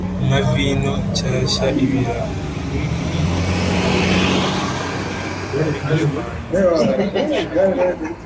nka vino nshyashya ibira, ukuri kw’imana gutanga ubugingo kwari gushwanyuza ibishaje,